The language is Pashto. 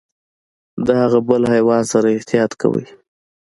د هغه بل حیوان سره احتياط کوئ .